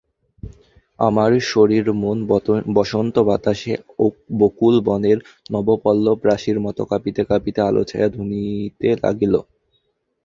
আমার শরীর মন বসন্তবাতাসে বকুলবনের নবপল্লবরাশির মতো কাঁপিতে কাঁপিতে আলোছায়া ধুনিতে লাগিল।